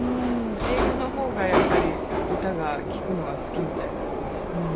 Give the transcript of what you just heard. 英語の方がやっぱり歌が聴くのは好きみたいですね。